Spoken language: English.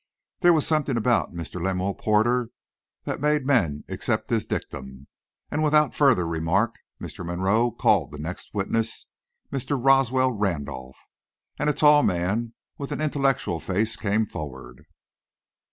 There was something about Mr. Lemuel Porter that made men accept his dictum, and without further remark Mr. Monroe called the next witness, Mr. Roswell Randolph, and a tall man, with an intellectual face, came forward.